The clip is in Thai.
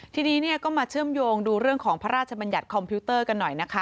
ทีนี้ก็มาเชื่อมโยงดูเรื่องของพระราชบัญญัติคอมพิวเตอร์กันหน่อยนะคะ